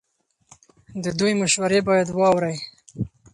د دوی مشورې باید واورئ.